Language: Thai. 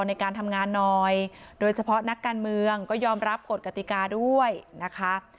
ในการทำงานหน่อยโดยเฉพาะนักการเมืองก็ยอมรับกฎกติกาด้วยนะคะ